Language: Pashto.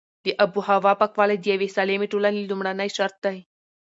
د اوبو او هوا پاکوالی د یوې سالمې ټولنې لومړنی شرط دی.